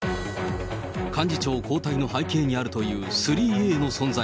幹事長交代の背景にあるという３Ａの存在。